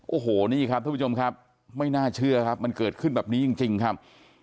โอ้โหนี่ครับทุกผู้ชมครับไม่น่าเชื่อครับมันเกิดขึ้นแบบนี้จริงครับ